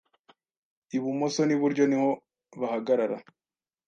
Ibumoso n'iburyo niho bahagarara